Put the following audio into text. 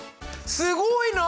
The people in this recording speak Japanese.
すごいな！